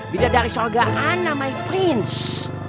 bidalah dari surga ana my prince